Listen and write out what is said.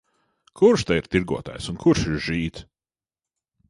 Kurš te ir tirgotājs un kurš ir žīds?